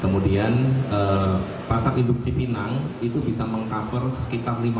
kemudian pasak hidup cipinang itu bisa meng cover sekitar lima belas sampai dengan